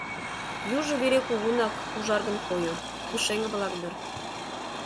Южо вере кугунак ужаргын койо, пушеҥге-влак дыр.